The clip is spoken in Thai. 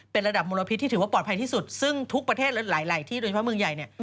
เป็นระดับมลพิษที่ถือว่าปลอดภัยที่สุดซึ่งทุกประเทศหลายที่โดยเฉพาะเมืองใหญ่เนี่ย